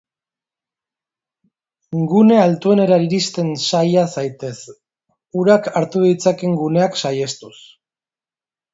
Gune altuenetara iristen saia zaitez, urak hartu ditzakeen guneak saihestuz.